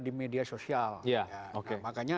di media sosial makanya